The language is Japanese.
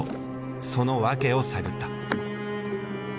そのワケを探った。